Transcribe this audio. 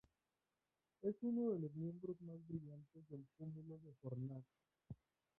Es uno de los miembros más brillantes del Cúmulo de Fornax.